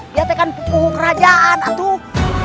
dia tekan pukuh kerajaan atuh